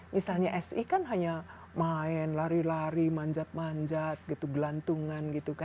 misalnya si kan hanya main lari lari manjat manjat gitu gelantungan gitu kan